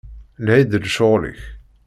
Lhi-d d lecɣal-ik.